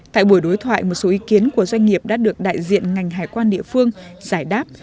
tại buổi đối thoại một số ý kiến của doanh nghiệp đã được đại diện ngành hải quan địa phương giải đáp